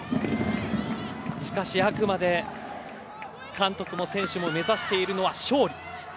しかし、あくまで監督も選手も目指しているのは勝利。